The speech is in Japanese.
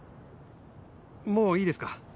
もういいですか？